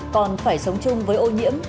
còn phải sống chung với ô nhiễm